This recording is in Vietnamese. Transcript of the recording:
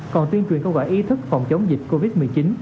còn tuyên truyền câu quả ý thức phòng chống dịch covid một mươi chín